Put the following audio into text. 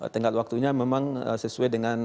tengkat waktunya memang sesuai dengan